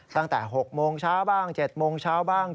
ตั้งแต่๖โมงเช้าบ้าง๗โมงเช้าบ้าง